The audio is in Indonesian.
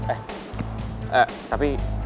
eh eh tapi